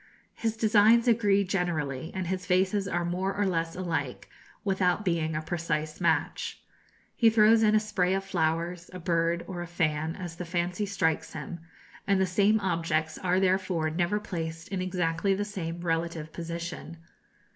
His designs agree generally, and his vases are more or less alike, without being a precise match. He throws in a spray of flowers, a bird, or a fan, as the fancy strikes him, and the same objects are therefore never placed in exactly the same relative position.